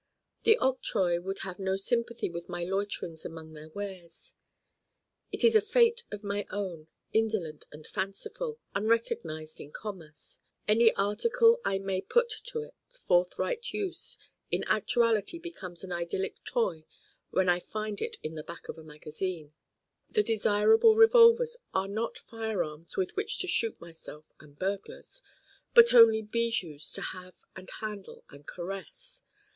The octroi would have no sympathy with my loiterings among their wares. It is a fête of my own, indolent and fanciful, unrecognized in commerce. Any article I may put to its forthright use in actuality becomes an idyllic toy when I find it in the Back of a magazine. The desirable Revolvers are not firearms with which to shoot myself and burglars, but only bijous to have and handle and caress.